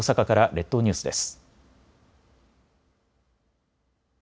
列島ニュースです。